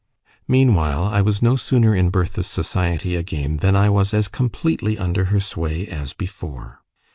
Meanwhile, I was no sooner in Bertha's society again than I was as completely under her sway as before.